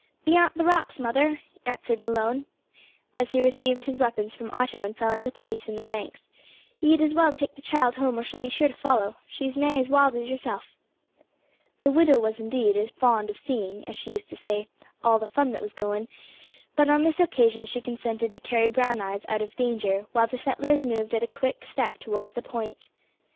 "Beyant the rocks, mother," answered Malone, as he received his weapons from Otto and fell into his place in the ranks; "ye'd as well take the child home, or she'll be sure to follow she's nigh as wild as yerself." The widow was indeed fond of seeing, as she used to say, "all the fun that was goin'," but on this occasion she consented to carry Brown eyes out of danger while the settlers moved at a quick step towards the point.